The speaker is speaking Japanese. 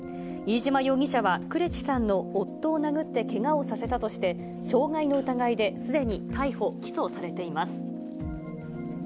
飯島容疑者は呉地さんの夫を殴ってけがをさせたとして、傷害の疑いですでに逮捕・起訴されています。